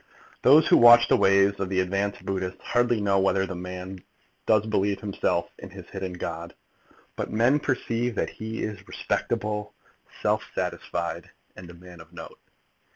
Those who watch the ways of the advanced Buddhist hardly know whether the man does believe himself in his hidden god, but men perceive that he is respectable, self satisfied, and a man of note.